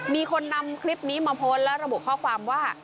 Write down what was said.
มีคนนำคลิปนี้มาโพสต์และระบุข้อความว่า